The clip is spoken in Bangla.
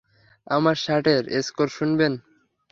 আমার স্যাটের স্কোর শুনবেন?